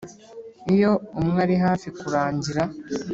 iyo umwe ari hafi kurangira